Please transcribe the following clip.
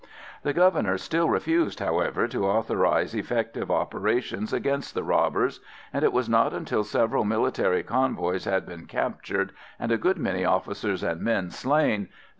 The Governor still refused, however, to authorise effective operations against the robbers; and it was not until several military convoys had been captured, and a good many officers and men slain, that M.